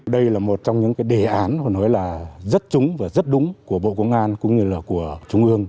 đây là một trong những đề án rất trúng và rất đúng của bộ công an cũng như là của trung ương